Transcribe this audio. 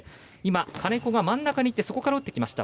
金子が真ん中にいってそこから打っていきました。